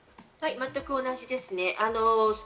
全く同じですね。